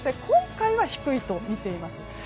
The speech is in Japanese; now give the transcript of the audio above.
今回は低いとみています。